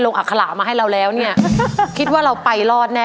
ลงอัคัำระมาให้เราแล้วคิดว่าเราไปรอดแน่